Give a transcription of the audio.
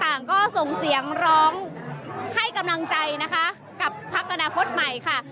ต่างก็ส่งเสียงร้องให้กำลังใจนะคะกับพักอนาคตใหม่ค่ะ